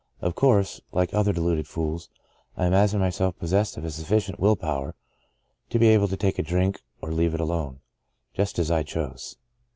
Of course, like other deluded fools, I imagined myself pos sessed of sufficient will power to be able to take a drink or leave it alone — ^just as I chose.